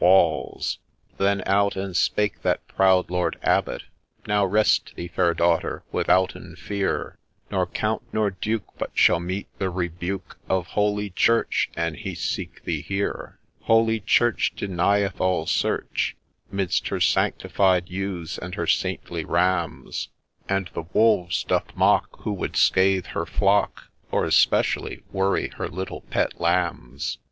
A LAY OF ST. NICHOLAS 169 — Then out and spake that proud Lord Abbot, ' Now rest thee, Fair Daughter, withouten fear Nor Count nor Duke but shall meet the rebuke Of Holy Church an he seek thee here :' Holy Church denieth all search 'Midst her sanctified ewes and her saintly rams ; And the wolves doth mock who would scathe her flock, Or, especially, worry her little pet lambs.